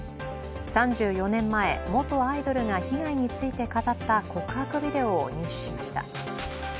３４年前、元アイドルが被害について語った告白ビデオを入手しました。